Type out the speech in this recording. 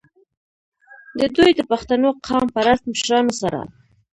د دوي د پښتنو قام پرست مشرانو سره